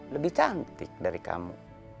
lebih cantik dari kamu